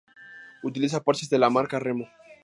Utiliza parches de la marca Remo.